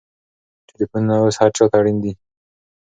ټلېفونونه اوس هر چا ته اړین دي.